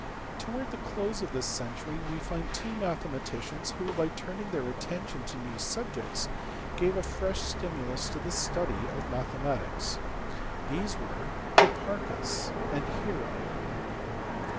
Towards the close of this century we find two mathema ticians who, by turning their attention to new subjects, gave a fresh stimulus to the study of mathematics. These were Hipparchus and Hero.